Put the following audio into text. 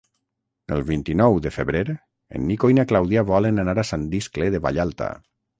El vint-i-nou de febrer en Nico i na Clàudia volen anar a Sant Iscle de Vallalta.